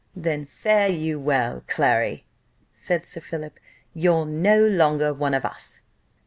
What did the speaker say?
"Then fare you well, Clary," said Sir Philip, "you're no longer one of us."